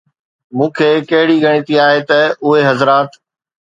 مون کي ڪهڙي ڳڻتي آهي ته اهي حضرات